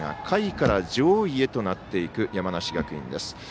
下位から上位へとなっていく山梨学院です。